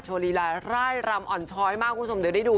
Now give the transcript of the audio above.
ลีลาร่ายรำอ่อนช้อยมากคุณผู้ชมเดี๋ยวได้ดู